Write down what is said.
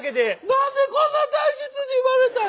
なんでこんな体質に生まれたん。